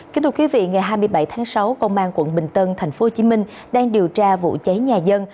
kính thưa quý vị ngày hai mươi bảy tháng sáu công an quận bình tân tp hcm đang điều tra vụ cháy nhà dân